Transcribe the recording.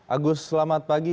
agus selamat pagi